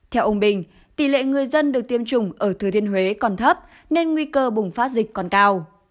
theo ông bình tỷ lệ người dân được tiêm chủng ở thừa thiên huế còn thấp nên nguy cơ bùng phát dịch còn cao